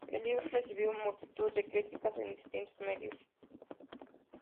El libro recibió multitud de críticas en distintos medios.